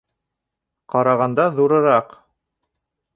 Ҡарағанда ҙурыраҡ